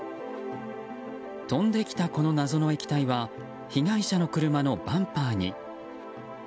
飛んできたこの謎の液体は被害者の車のバンパーに。